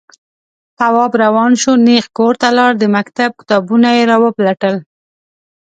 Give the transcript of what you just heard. تواب روان شو، نېغ کور ته لاړ، د مکتب کتابونه يې راوپلټل.